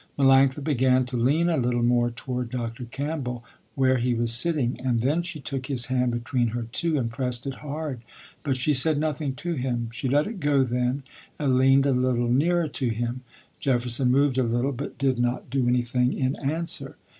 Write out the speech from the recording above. Melanctha began to lean a little more toward Dr. Campbell, where he was sitting, and then she took his hand between her two and pressed it hard, but she said nothing to him. She let it go then and leaned a little nearer to him. Jefferson moved a little but did not do anything in answer.